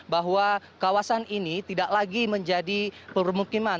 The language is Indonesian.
bahwa kawasan ini tidak lagi menjadi permukiman